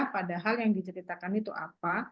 padahal yang diceritakan itu apa